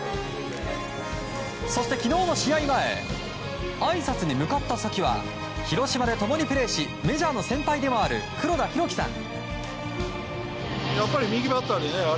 そして昨日の試合前あいさつに向かった先は広島で共にプレーしメジャーの先輩でもある黒田博樹さん。